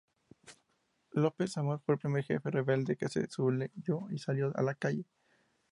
López-Amor fue el primer jefe rebelde que se sublevó y salió a la calle.